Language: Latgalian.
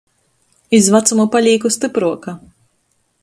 Iz vacumu palīku stypruoka.